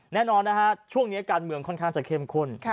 แน่นอนนะฮะช่วงนี้การเมืองค่อนข้างจะเข้มข้น